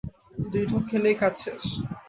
দুই ঢোক খেলেই কাজ শেষ।